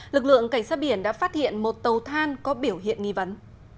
lực lượng cảnh sát biển đã phát hiện một tàu than có biểu hiện nghi vấn